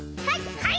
はい！